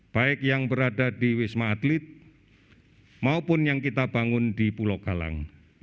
baik yang berada di wisma atlet maupun yang kita bangun di pulau galang